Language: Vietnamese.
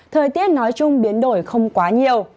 thời tiết nói chung biến đổi không quá nhiều